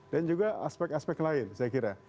dan juga aspek aspek lain saya kira